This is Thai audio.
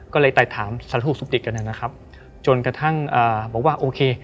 ก็เลยตามสารธุสุทธิกันนะครับจนกระทั่งบอกว่าโอเค